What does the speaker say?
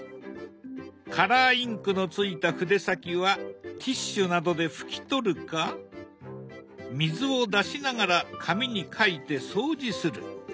カラーインクのついた筆先はティッシュなどで拭き取るか水を出しながら紙に描いて掃除する。